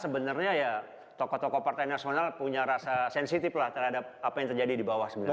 sebenarnya ya tokoh tokoh partai nasional punya rasa sensitif lah terhadap apa yang terjadi di bawah sebenarnya